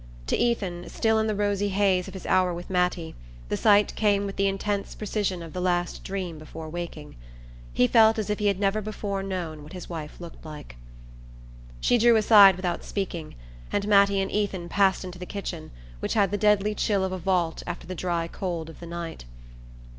To Ethan, still in the rosy haze of his hour with Mattie, the sight came with the intense precision of the last dream before waking. He felt as if he had never before known what his wife looked like. She drew aside without speaking, and Mattie and Ethan passed into the kitchen, which had the deadly chill of a vault after the dry cold of the night.